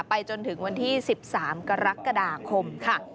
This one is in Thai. ไปจนถึงวันที่๑๓กรกฎาคมค่ะ